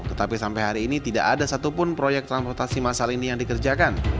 tetapi sampai hari ini tidak ada satupun proyek transportasi masal ini yang dikerjakan